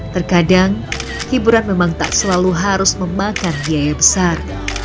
terkadang hiburan memang tak selalu harus memakan biaya besar